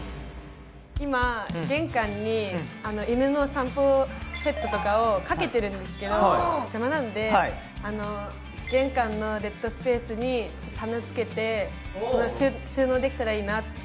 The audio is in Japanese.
今玄関に犬の散歩セットとかをかけてるんですけど邪魔なので玄関のデッドスペースに棚をつけて収納できたらいいなって。